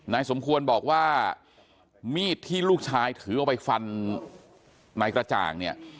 สมควรบอกว่ามีดที่ลูกชายถือออกไปฟันนายกระจ่างเนี่ย